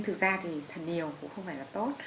thực ra thì thật nhiều cũng không phải là tốt